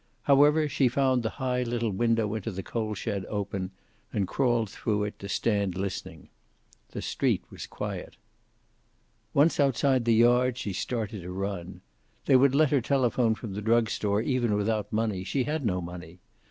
However, she found the high little window into the coal shed open, and crawled through it, to stand listening. The street was quiet. Once outside the yard she started to run. They would let her telephone from the drug store, even without money. She had no money.